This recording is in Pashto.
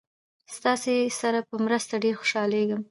ستاسې سره په مرسته ډېر خوشحالیږم.